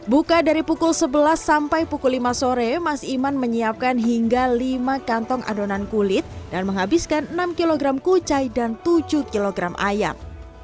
buka dari pukul sebelas sampai pukul lima sore mas iman menyiapkan hingga lima kantong adonan kulit dan menghabiskan enam kg kucai dan tujuh kg ayam